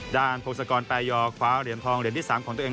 ด้านโพกศักรณ์ป่าหย่อคว้าเหรียญทอง